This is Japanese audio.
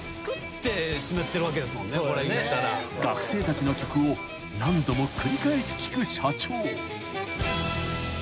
［学生たちの曲を何度も繰り返し聴く社長］